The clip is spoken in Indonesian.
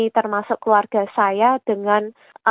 termasuk keluarga saya dengan